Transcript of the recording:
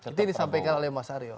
itu yang disampaikan oleh mas aryo